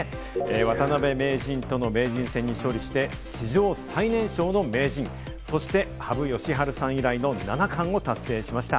渡辺名人との名人戦に勝利して、史上最年少の名人、そして羽生善治さん以来の七冠を達成しました。